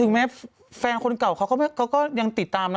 แม้แฟนคนเก่าเขาก็ยังติดตามนะ